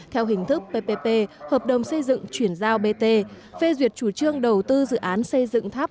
theo hình thức ppp hợp đồng xây dựng chuyển giao bt phê duyệt chủ trương đầu tư dự án xây dựng tháp